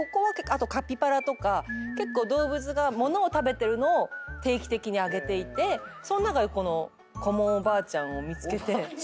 あとカピバラとか結構動物が物を食べてるのを定期的に上げていてそん中でこのコモンおばあちゃんを見つけて。